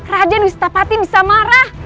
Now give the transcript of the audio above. raden wistapati bisa marah